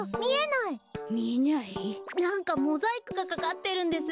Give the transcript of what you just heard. なんかモザイクがかかってるんです。